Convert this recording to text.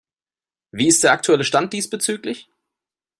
Wie ist der aktuelle Stand diesbezüglich?